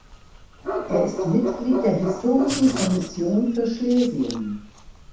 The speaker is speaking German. Er ist Mitglied der Historischen Kommission für Schlesien.